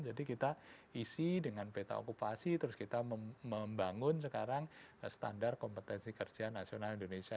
jadi kita isi dengan peta okupasi terus kita membangun sekarang standar kompetensi kerja nasional indonesia